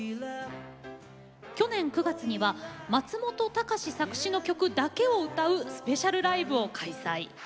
去年９月には松本隆作詞の曲だけを歌うスペシャルライブを開催。